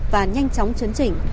và nhanh chóng chấn chỉnh